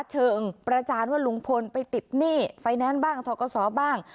เชิงประจานว่าลุงพลไปติดหนี้ไฟแนนซ์บ้างทกศบ้าง